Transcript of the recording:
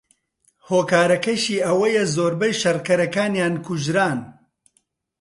هۆکارەکەشەی ئەوەیە زۆربەی شەڕکەرەکانیان کوژران